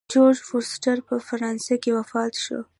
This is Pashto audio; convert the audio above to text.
جورج فورسټر په فرانسه کې وفات شو.